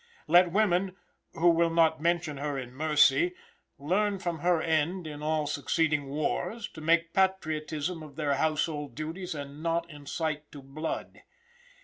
Let women, who will not mention her in mercy, learn from her end, in all succeeding wars, to make patriotism of their household duties and not incite to blood.